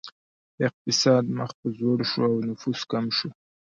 اقتصاد مخ په ځوړ شو او نفوس کم شو.